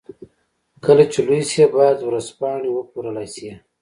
کله چې لوی شي بايد ورځپاڼې وپلورلای شي.